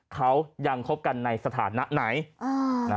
เขายังคบกันในสถานะไหน